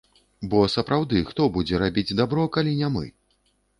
Бо сапраўды, хто будзе рабіць дабро, калі не мы?